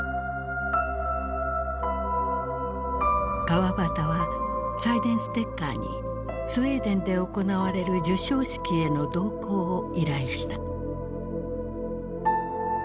川端はサイデンステッカーにスウェーデンで行われる授賞式への同行を依頼した。